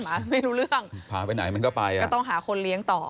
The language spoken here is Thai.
ไม่รู้เรื่องพาไปไหนมันก็ไปอ่ะก็ต้องหาคนเลี้ยงต่อ